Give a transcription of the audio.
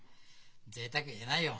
ぜいたく言えないよ。